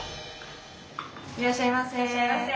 いらっしゃいませ。